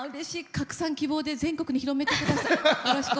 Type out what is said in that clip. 拡散希望で全国に広めてください。